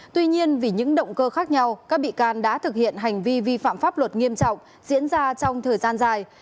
tuy nhiên vì những động cơ khác nhau các bị can đã thực hiện hành vi vi phạm pháp luật nghiêm trọng diễn ra trong thời gian dài